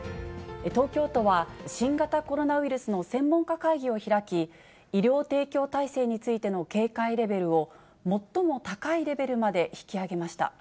東京都は新型コロナウイルスの専門家会議を開き、医療提供体制についての警戒レベルを、最も高いレベルまで引き上げました。